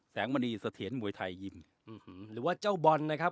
มณีเสถียรมวยไทยยิมหรือว่าเจ้าบอลนะครับ